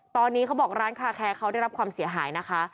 ตอนนี้เขาบอกร้านคาแคร์เขาได้รับความเสียหายนะคะ